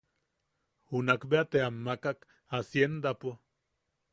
Junak bea te am maʼak haciendapo.